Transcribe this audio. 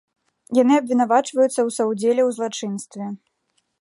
Яны абвінавачваюцца ў саўдзеле ў злачынстве.